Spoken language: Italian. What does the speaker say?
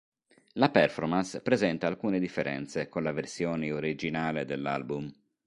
La performance presenta alcune differenze con la versione originale dell'album.